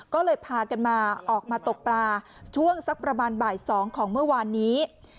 ก็เลยพากันมาออกมาตกปลาช่วงสักประมาณบ่าย๒ของเมื่อวานนี้